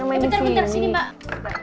bentar bentar sini mbak